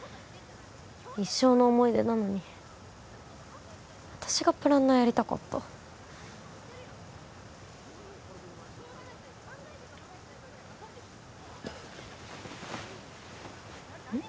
一生の思い出なのに私がプランナーやりたかったうん？